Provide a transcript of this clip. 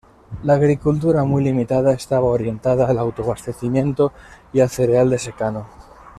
La agricultura, muy limitada, estaba orientada al autoabastecimiento y al cereal de secano.